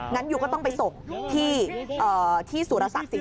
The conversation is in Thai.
งั้นอยู่ก็ต้องไปสบที่สุรษัตริย์สิทธิ์